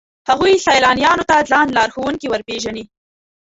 هغوی سیلانیانو ته ځان لارښوونکي ورپېژني.